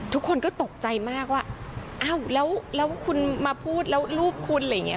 ทุกคนก็ตกใจมากว่าอ้าวแล้วคุณมาพูดแล้วลูกคุณอะไรอย่างนี้